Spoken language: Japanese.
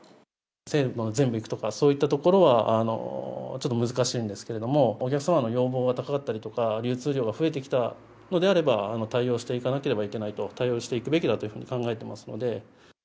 全部いくとか、そういったところはちょっと難しいんですけれども、お客様の要望が高かったりとか、流通量が増えてきたのであれば、対応していかなければいけないと、対応していくべきだというふうに考えてますので。